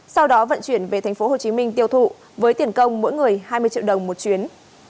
sau đó vận chuyển về tp hcm tiêu thụ với tiền công mỗi người hai mươi triệu đồng một chuyến